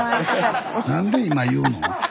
なんで今言うの？